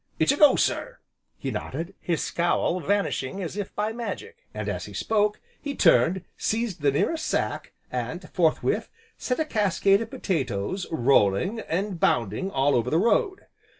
"It's a go, sir," he nodded, his scowl vanishing as by magic; and as he spoke, he turned, seized the nearest sack, and, forthwith sent a cascade of potatoes rolling, and bounding all over the road.